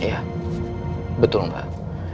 iya betul mbak